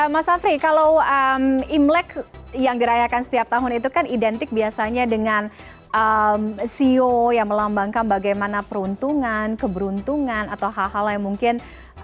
mas afri kalau imlek yang dirayakan setiap tahun itu kan identik biasanya dengan ceo yang melambangkan bagaimana peruntungan keberuntungan atau hal hal lain mungkin